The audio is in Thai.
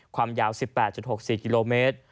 ความยาว๑๘๖๔กิโลเมตร